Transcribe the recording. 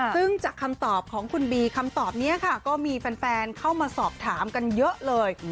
ซึ่งจากคำตอบของคุณบีคำตอบนี้ค่ะก็มีแฟนเข้ามาสอบถามกันเยอะเลย